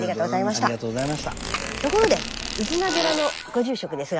ところで飯縄寺のご住職ですが。